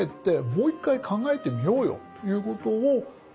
もう一回考えてみようよということを言った。